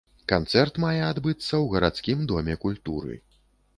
Канцэрт мае адбыцца ў гарадскім доме культуры.